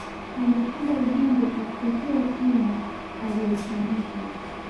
ameshinda ubingwa katika kila timu aliyoifundisha